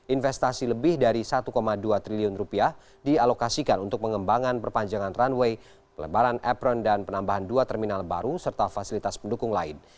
investasi lebih dari satu dua triliun rupiah dialokasikan untuk pengembangan perpanjangan runway pelebaran apron dan penambahan dua terminal baru serta fasilitas pendukung lain